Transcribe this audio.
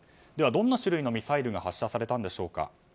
どんな種類のミサイルが発射されたんでしょうか。